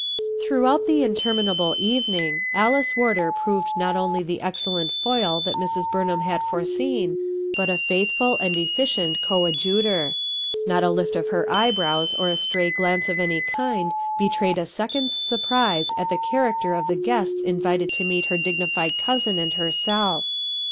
Throughout the interminable evening, Alice Warder proved not only the excellent foil that Mrs. Burnham had foreseen, but a faithful and 04 RUTH EUSKINE'S SON efficient coadjutor. Not a lift of her eyebrows or a stray glance of any kind betrayed a second's surprise at the character of the guests invited to meet her dignified cousin and herself.